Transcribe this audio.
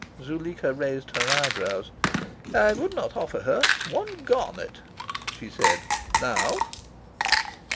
Zuleika raised her eyebrows. "I would not offer her one garnet," she said, "now."